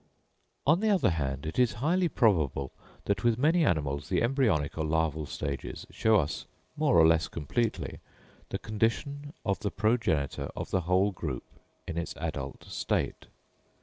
On the other hand it is highly probable that with many animals the embryonic or larval stages show us, more or less completely, the condition of the progenitor of the whole group in its adult state.